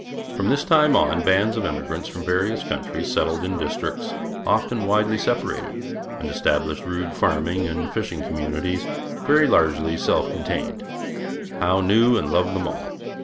From this time on, bands of emigrants from various countries settled in districts often widely separated, and established rude farming and fishing communities, very largely self contained. Howe knew and loved them all.